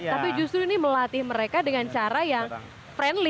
tapi justru ini melatih mereka dengan cara yang friendly